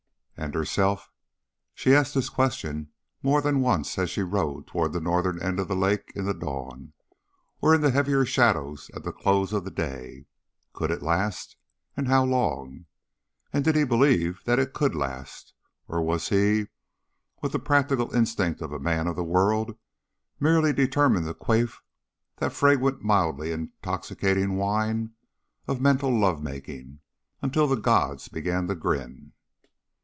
And herself? She asked this question more than once as she rowed toward the northern end of the lake in the dawn, or in the heavier shadows at the close of the day. Could it last? And how long? And did he believe that it could last? Or was he, with the practical instinct of a man of the world, merely determined to quaff that fragrant mildly intoxicating wine of mental love making, until the gods began to grin?